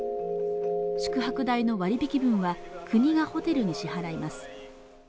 宿泊代の割引分は国がホテルに支払います。